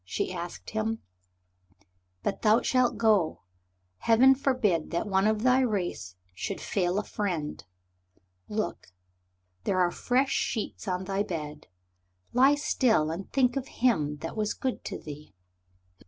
she asked him. "But thou shalt go. Heaven forbid that one of thy race should fail a friend. Look! there are fresh sheets on thy bed. Lie still and think of him that was good to thee."